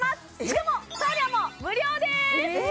しかも送料も無料ですえ！